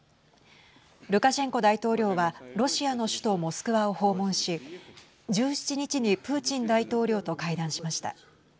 ルカシェンコ大統領はロシアの首都モスクワを訪問し１７日にプーチン大統領と会談しました。